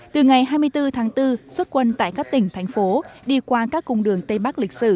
từ ngày hai mươi bốn tháng bốn xuất quân tại các tỉnh thành phố đi qua các cung đường tây bắc lịch sử